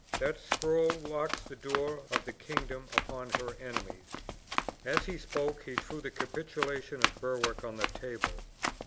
That scroll locks the door of the kingdom upon her enemies." As he spoke he threw the capitulation of Berwick on the table.